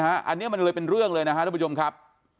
อันนี้มันเลยเป็นเรื่องเลยนะครับทุกผู้ชมครับ